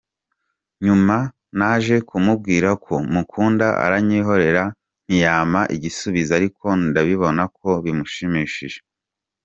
Nyuma naje kumubwira ko mukunda aranyihorera ntiyampa igisubizo ariko ndabibona ko bimushimishije.